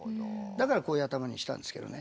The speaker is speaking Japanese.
だからこういう頭にしたんですけどね。